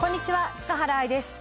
塚原愛です。